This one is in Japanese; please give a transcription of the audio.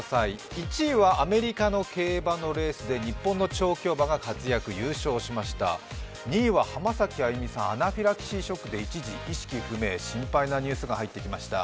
１位はアメリカの競馬のレースで日本の調教馬が活躍、優勝しました２位は浜崎あゆみさん、アナフィラキシーショックで一時意識不明、心配なニュースが入ってきました。